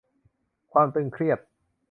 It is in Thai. ความตึงเครียด